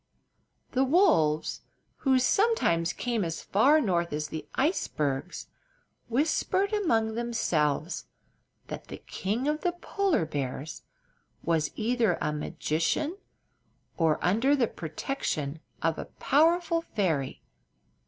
The wolves, who sometimes came as far north as the icebergs, whispered among themselves that the King of the Polar Bears was either a magician or under the protection of a powerful fairy.